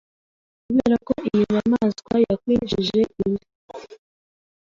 Kuberako iyi nyamaswa yakwinjije imvi